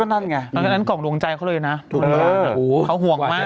นั่นไงอันนั้นกล่องดวงใจเขาเลยนะถูกต้องเขาห่วงมาก